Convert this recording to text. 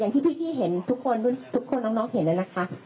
ที่พี่กี้เห็นทุกคนทุกคนน้องเห็นแล้วนะคะ